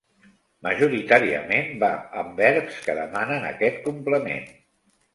Majoritàriament va amb verbs que demanen aquest complement.